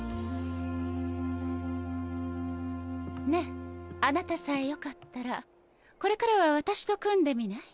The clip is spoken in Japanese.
ねぇあなたさえよかったらこれからは私と組んでみない？